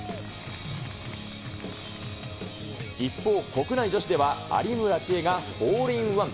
一方、国内女子では有村智恵がホールインワン。